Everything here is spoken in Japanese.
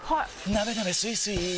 なべなべスイスイ